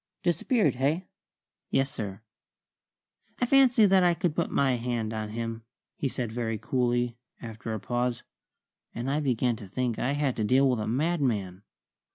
"Disappeared, hey?" "Yes, sir." "I fancy I could put my hand on him," he said very coolly, after a pause. And I began to think I had to deal with a madman.